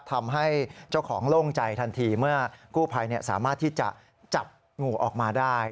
ทำให้เจ้าของโล่งใจทันทีเมื่อกู้ภัยสามารถที่จะจับงูออกมาได้